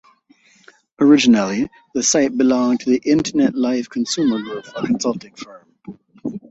Originally, the site belonged to Internet Life Consumer Group, a consulting firm.